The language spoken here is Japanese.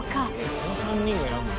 この３人がやるの？